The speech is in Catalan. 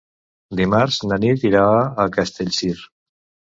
Dimarts na Nit irà a Castellcir.